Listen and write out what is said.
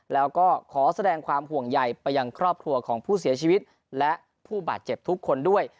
แล้วก็ขอแสดงความห่วงใยไปยังครอบครัวของผู้เสียชีวิตและผู้บาดเจ็บทุกคนด้วย